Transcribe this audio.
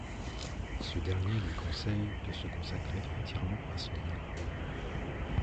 Ce dernier lui conseille de se consacrer entièrement à son art.